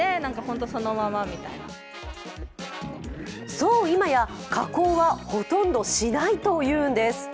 そう、今や加工はほとんどしないというんです。